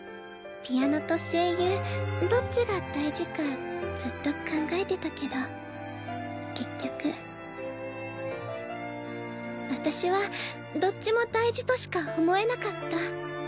ピアノと声優どっちが大事かずっと考えてたけど結局私はどっちも大事としか思えなかった。